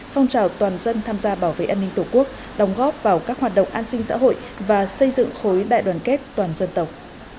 phong trào toàn dân tham gia bảo vệ an ninh tổ quốc đóng góp vào các hoạt động an sinh xã hội và xây dựng khối đại đoàn kết toàn dân tộc